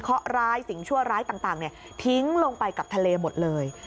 เขาร้ายสิ่งชั่วร้ายต่างทิ้งลงไปกับทะเลหมดเลย